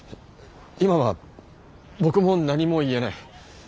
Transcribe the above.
今は僕も何も言えない。